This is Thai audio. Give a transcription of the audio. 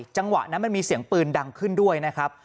จังหวะนั้นมันมีเสียงปืนดังขึ้นด้วยนะครับ